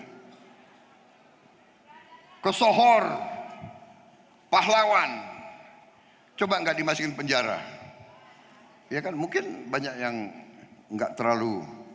hai ke sohor pahlawan coba enggak dimasukin penjara ya kan mungkin banyak yang enggak terlalu